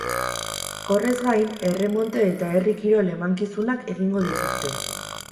Horrez gain, erremonte eta herri kirol emankizunak egingo dituzte.